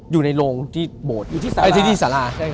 อยู่ในโรงที่โบสถ์อยู่ที่สารา